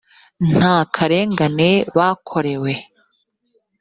nta karengane bakorewe